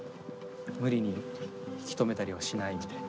無理に引き止めたりはしない」みたいな。